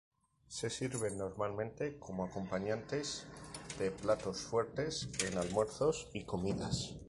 Se sirven normalmente como acompañantes de platos fuertes en almuerzos y comidas.